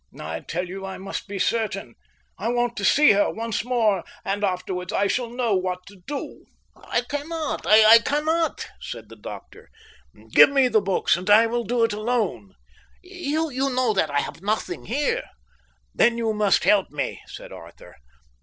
I tell you I must be certain. I want to see her once more, and afterwards I shall know what to do." "I cannot, I cannot," said the doctor. "Give me the books and I will do it alone." "You know that I have nothing here." "Then you must help me," said Arthur.